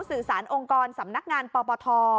สื่อสารองค์กรสำนักงานปปท